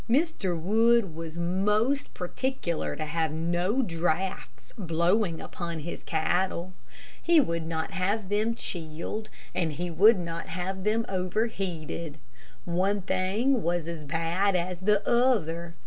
Mr. Wood was most particular to have no drafts blowing upon his cattle. He would not have them chilled, and he would not have them overheated. One thing was as bad as the other.